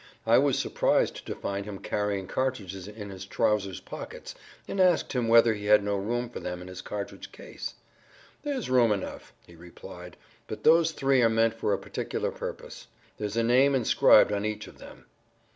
I was surprised to find him carrying cartridges in his trousers' pockets and asked him whether he had no room for them in his cartridge case. "There's room enough," he replied, "but those three are meant for a particular purpose; there's a name inscribed on each of them."